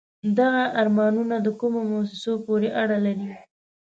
دغه آرمانون د کومو موسسو پورې اړه لري؟